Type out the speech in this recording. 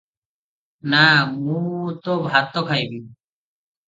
ନାଁ ମୁଁ ତ ଭାତ ଖାଇବି ।"